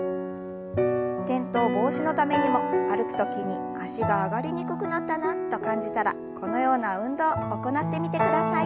転倒防止のためにも歩く時に脚が上がりにくくなったなと感じたらこのような運動行ってみてください。